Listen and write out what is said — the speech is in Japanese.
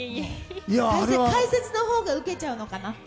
解説のほうがウケちゃうのかなって。